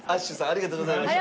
ありがとうございます。